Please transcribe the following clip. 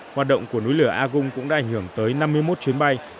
hoạt động của núi lửa agung cũng đã ảnh hưởng tới năm mươi một chuyến bay